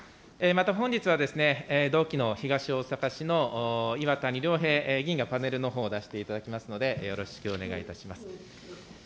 また本日は、同期の東大阪市の岩谷良平議員が、パネルのほうを出していただきますので、よろしくお願いいたします。